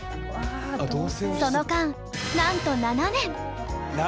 その間なんと７年！